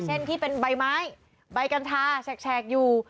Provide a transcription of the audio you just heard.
เช่นที่เป็นใบไม้ใบกัญชาแฉกอยู่